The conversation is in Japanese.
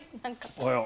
おはよう。